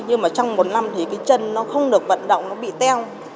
nhưng mà trong một năm thì cái chân nó không được vận động nó bị teo